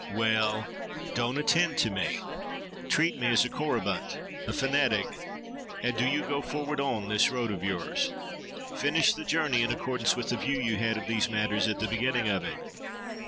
—Well! Don't attend to me! Treat me as a Corybant, a fanatic: and do you go forward on this road of yours. Finish the journey in accordance with the view you had of these matters at the beginning of it.